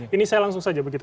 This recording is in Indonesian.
ini saya langsung saja begitu